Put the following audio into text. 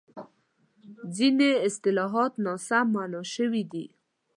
ځینې اصطلاحات ناسم مانا شوي دي.